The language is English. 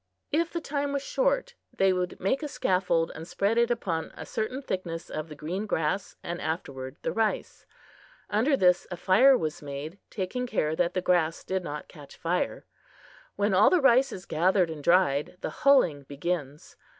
If the time was short, they would make a scaffold and spread upon it a certain thickness of the green grass and afterward the rice. Under this a fire was made, taking care that the grass did not catch fire. When all the rice is gathered and dried, the hulling begins.